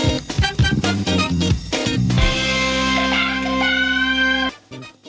เขาก็มีมีอีกเยอะอ่ะก็เหมือนอย่างงี้ศิลปินทั่วไปอ่ะ